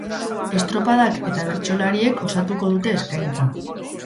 Estropadak eta bertsolariek osatuko dute eskaintza.